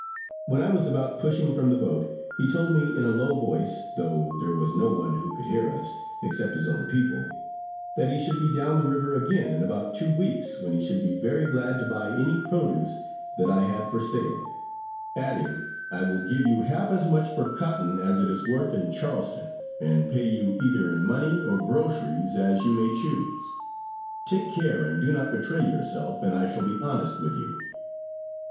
When I was about pushing from the boat, he told me in a low voice, though there was no one who could hear us, except his own people that he should be down the river again in about two weeks, when he should be very glad to buy any produce that I had for sale; adding, "I will give you half as much for cotton as it is worth in Charleston, and pay you either in money or groceries, as you may choose. Take care, and do not betray yourself, and I shall be honest with you."